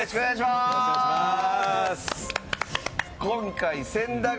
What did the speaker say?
よろしくお願いします。